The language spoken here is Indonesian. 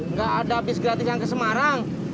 nggak ada bis gratis yang ke semarang